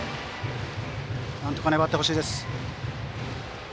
なんとか粘ってほしいです。